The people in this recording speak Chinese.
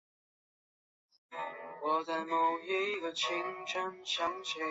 已知河床的水位高度对黑长脚鹬数目有明显影响。